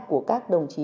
của các đồng chí